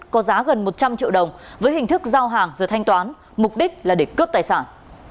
có giá gần một trăm linh triệu đồng với hình thức giao hàng rồi thanh toán mục đích là để cướp tài sản